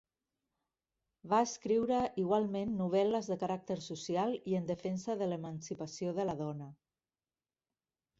Va escriure igualment novel·les de caràcter social i en defensa de l’emancipació de la dona.